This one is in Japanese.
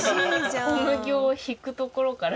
小麦を挽くところから。